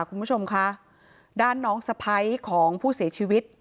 คุณผู้ชมคะด้านน้องสะพ้ายของผู้เสียชีวิต